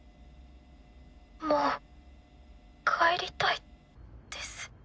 もう帰りたいです。